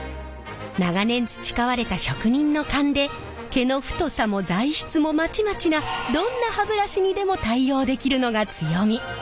長年培われた職人の勘で毛の太さも材質もまちまちなどんな歯ブラシにでも対応できるのが強み。